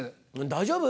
大丈夫？